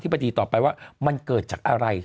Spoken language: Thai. บดีต่อไปว่ามันเกิดจากอะไร